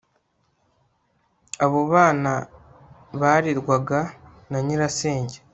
Abo bana barerwaga na nyirasenge